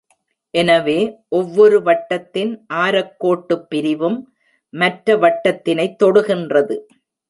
எனவே, ஒவ்வொரு வட்டத்தின் ஆரக்கோட்டுப்பிரிவும் மற்ற வட்டத்தினைத் தொடுகின்றது.